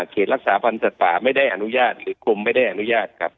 รักษาพันธ์สัตว์ป่าไม่ได้อนุญาตหรือกรมไม่ได้อนุญาตครับ